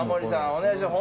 お願いします。